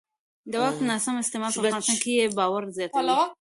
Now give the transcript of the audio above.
د واک ناسم استعمال په افغانستان کې بې باورۍ زیاتوي